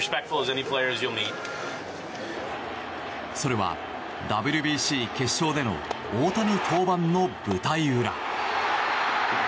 それはＷＢＣ決勝での大谷登板の舞台裏。